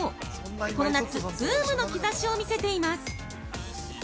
この夏、ブームの兆しを見せています。